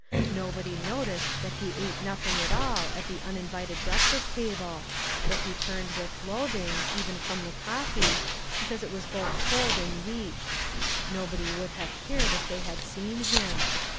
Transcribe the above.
Nobody noticed that he ate nothing at all at the uninvited break fast table ; that he turned with loathing, even from the coffee, because it was both cold and weak ; nobody would have cared if they had seen him.